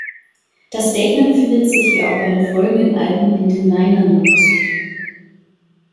Das Statement findet sich, wie auch bei den folgenden Alben, in den Liner Notes.